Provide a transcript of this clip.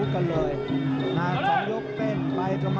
นี่คือยอดมวยแท้รักที่ตรงนี้ครับ